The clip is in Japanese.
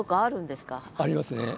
ありますね。